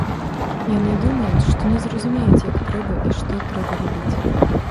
Яны думаюць, што не зразумеюць, як трэба і што трэба рабіць.